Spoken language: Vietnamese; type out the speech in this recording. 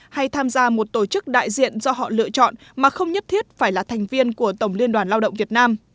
hay tham gia một tổ chức đại diện do họ lựa chọn mà không nhất thiết phải là thành viên của tổng liên đoàn lao động việt nam